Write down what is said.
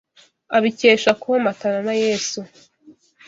abikesheje komatana na Yesu